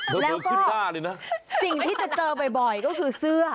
แล้วก็สิ่งที่จะเจอบ่อยก็คือเสื้อ